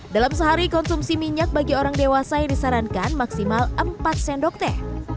dalam sehari konsumsi minyak bagi orang dewasa yang disarankan maksimal empat sendok teh